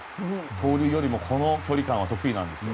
盗塁よりもこの距離感は得意なんですよ。